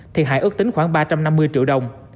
thiệt hại ước tính khoảng ba trăm năm mươi triệu đồng